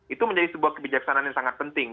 itu menjadi sebuah kebijaksanaan yang sangat penting